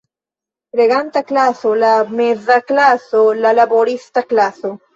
La reganta klaso, la meza klaso, la laborista klaso.